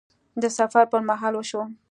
د سفر پر مهال وشو